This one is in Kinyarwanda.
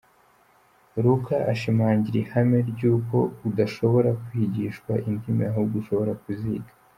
Luca ashimangira ihame ry’uko udashobora kwigishwa indimi ahubwo ushobora kuziga.